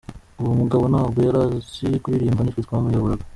Uwo mugabo ntabwo yari azi kuririmba nitwe twamuyoboraga.